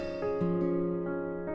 tidak ada masalah